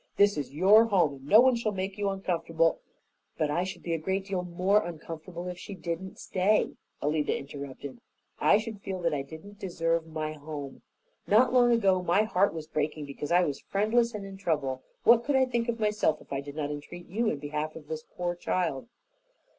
"This is your home, and no one shall make you uncomfortable " "But I should be a great deal more uncomfortable if she didn't stay," Alida interrupted. "I should feel that I did not deserve my home. Not long ago my heart was breaking because I was friendless and in trouble. What could I think of myself if I did not entreat you in behalf of this poor child?"